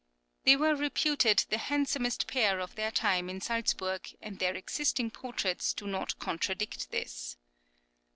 They were reputed the handsomest pair of their time in Salzburg, and their existing portraits do not contradict this.